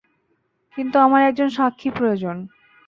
কিন্তু আমার একজন সাক্ষী প্রয়োজন।